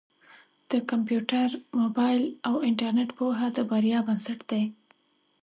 د کمپیوټر، مبایل او انټرنېټ پوهه د بریا بنسټ دی.